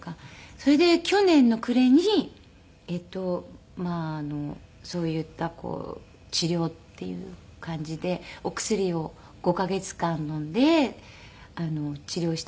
それで去年の暮れにまあそういった治療っていう感じでお薬を５カ月間飲んで治療したんですけど。